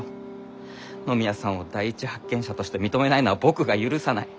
野宮さんを第一発見者として認めないのは僕が許さない。